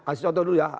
kasih contoh dulu ya